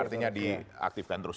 artinya diaktifkan terus